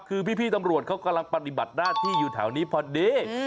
คือพี่ตำรวจเขากำลังปฏิบัติหน้าที่อยู่แถวนี้พอดี